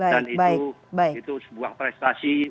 dan itu sebuah prestasi